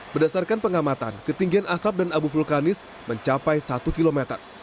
berdasarkan pengamatan ketinggian asap dan abu vulkanis mencapai satu km